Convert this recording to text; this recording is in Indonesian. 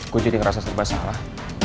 gue jadi ngerasa serba salah